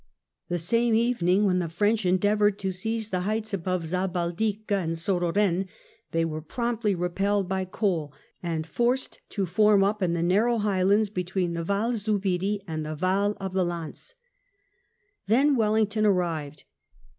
The same evening, when the French endeavoured to seize the heights above Zabaldica and Sauroren, they were promptly repelled by Cole, and forced to form up in the narrow highlands between the Val Zubiri and the valley of Lanz. Then Wellington arrived.